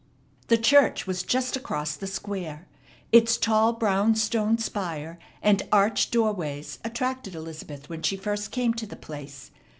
The church was just across the Square. Its tall brown stone spire and arched doorways attracted Elizabeth when she first came to the place.